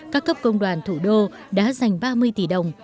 các cấp công đoàn thủ đô đã dành ba mươi tỷ đồng